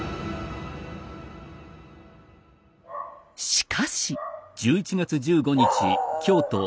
しかし。